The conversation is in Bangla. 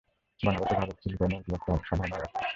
বাংলাদেশ ও ভারত, ফিলিপাইনে এটি একটি সাধারণ আগাছা।